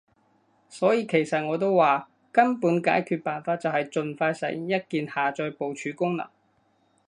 所以其實我都話，根本解決辦法就係儘快實現一鍵下載部署功能